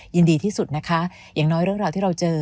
ยินดีที่สุดนะคะอย่างน้อยเรื่องราวที่เราเจอ